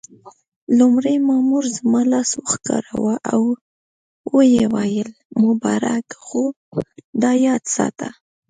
لومړي مامور زما لاس وښوراوه او ويې ویل: مبارک، خو دا یاد ساته.